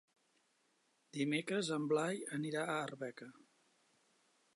Dimecres en Blai anirà a Arbeca.